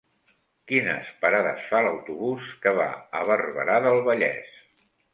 Quines parades fa l'autobús que va a Barberà del Vallès?